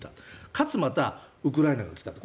かつ、またウクライナが来たと。